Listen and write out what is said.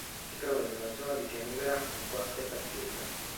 Si trova in una zona di pianura con coste sabbiose.